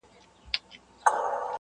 ټول عمر تكه توره شپه وي رڼا كډه كړې.